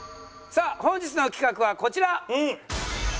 さあ本日の企画はこちら！